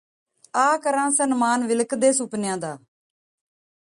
ਆ ਕਰਾਂ ਸਨਮਾਨ ਵਿਲਕਦੇ ਸੁਪਨਿਆਂ ਦਾ